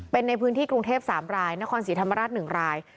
เป็นในพื้นที่กรุงเทพ๓รายนครศรีธรรมราช๑ราย